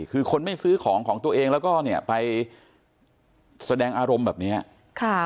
คือคนไม่ซื้อของของตัวเองแล้วก็เนี่ยไปแสดงอารมณ์แบบเนี้ยค่ะ